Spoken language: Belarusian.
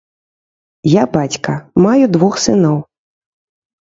Я бацька, маю двух сыноў.